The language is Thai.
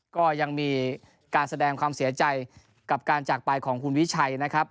ก็ยังมีการแสดงความเสียใจกับการจากไปของคุณวิชัยนะครับ